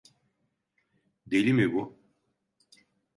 Deli mi bu?